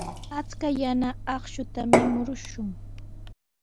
Achka yana akshutami murushun.